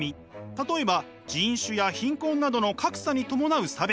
例えば人種や貧困などの格差に伴う差別。